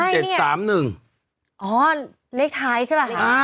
อ๋อเลขท้ายใช่บ้า